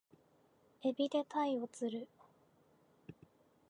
海老で鯛を釣る